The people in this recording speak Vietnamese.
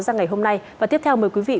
ra ngày hôm nay và tiếp theo mời quý vị